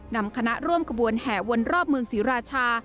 นำคณะร่วมขบวนแห่วนรอบเมืองศรีราชา